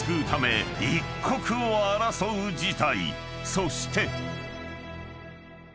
［そして］